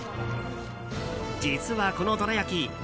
実は、このどら焼き